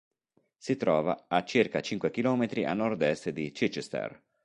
Si trova a circa cinque chilometri a nord-est di Chichester.